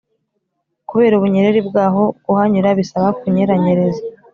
Kubera ubunyereri bwaho kuhanyura bisaba kunyeranyereza